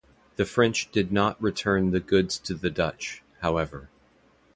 The French did not return the goods to the Dutch, however.